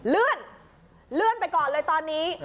เลื่อนไปก่อนเลยตอนนี้